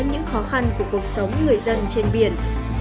những khó khăn của cuộc sống người dân trên biển